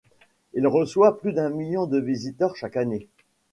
Il reçoit plus d'un million de visiteurs chaque année.